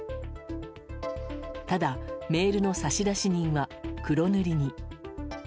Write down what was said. ただ、メールの差出人は黒塗りに。